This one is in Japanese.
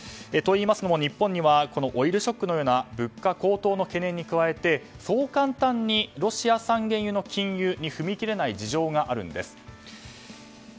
というのも日本にはオイルショックのような物価高騰の懸念に加えてそう簡単にロシア産原油の禁輸に踏み切れない事情があるんです。